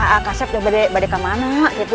akasep sudah pulang kemana gitu